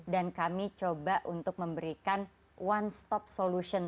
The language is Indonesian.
dan kami coba untuk memberikan one stop solution